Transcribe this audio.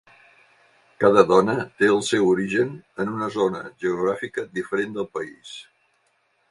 Cada dona té el seu origen en una zona geogràfica diferent del país.